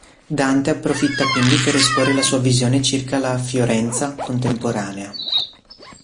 Dante approfitta quindi per esporre la sua visione circa la "Fiorenza" contemporanea.